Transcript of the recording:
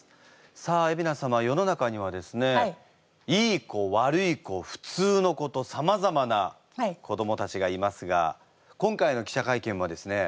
さあ海老名様世の中にはですねいい子悪い子普通の子とさまざまな子どもたちがいますが今回の記者会見もですね